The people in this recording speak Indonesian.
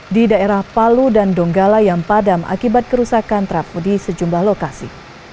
di daerah palu dan donggala yang padam akibat kerusakan trafo di sejumlah lokasi